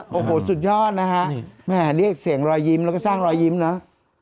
โหตัวสุดยอดนะครับเรียกเสียงรอยยิ้มแล้วเราก็สร้างรอยยิ้มเนอะ